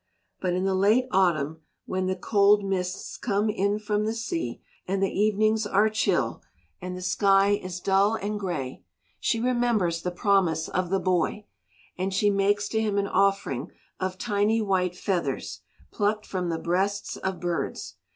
But in the late autumn when the cold mists come in from the sea, and the evenings are chill, and the sky is dull and grey, she remembers the promise of the boy. And she makes to him an offering of tiny white feathers plucked from the breasts of birds.